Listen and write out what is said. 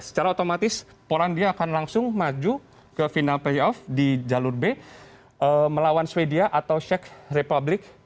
secara otomatis polandia akan langsung maju ke final playoff di jalur b melawan sweden atau check republic